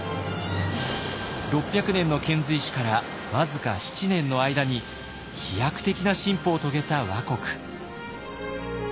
６００年の遣隋使から僅か７年の間に飛躍的な進歩を遂げた倭国。